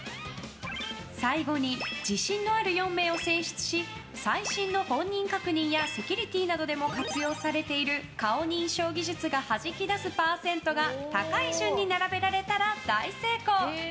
［最後に自信のある４名を選出し最新の本人確認やセキュリティーなどでも活用されている顔認証技術がはじき出す％が高い順に並べられたら大成功］